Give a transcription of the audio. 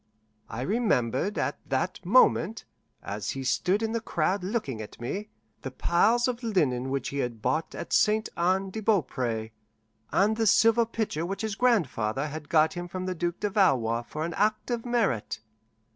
I remembered at that moment, as he stood in the crowd looking at me, the piles of linen which he had bought at Ste. Anne de Beaupre, and the silver pitcher which his grandfather had got from the Duc de Valois for an act of merit.